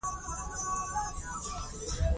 هېڅ ډول مال، دولت او رتبه مقاومت نه لري.